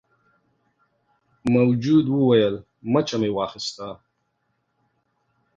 موجود وویل مچه مې واخیسته.